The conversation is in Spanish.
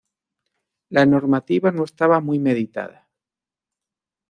La normativa no estaba muy meditada.